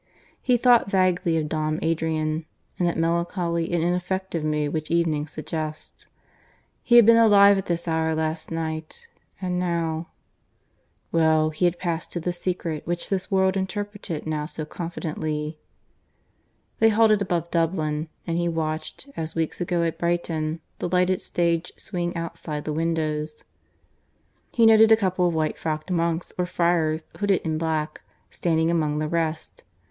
He thought vaguely of Dom Adrian, in that melancholy and ineffective mood which evening suggests ... he had been alive at this hour last night and now ... Well, he had passed to the Secret which this world interpreted now so confidently. ... They halted above Dublin, and he watched, as weeks ago at Brighton, the lighted stage swing outside the windows. He noted a couple of white frocked monks or friars, hooded in black, standing among the rest.